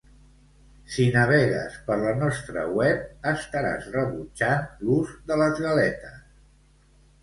Si navegues per la nostra web, estaràs rebutjant l'ús de les galetes.